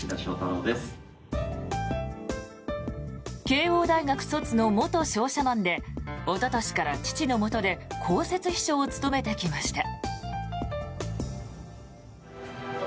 慶應大学卒の元商社マンでおととしから父のもとで公設秘書を務めてきました。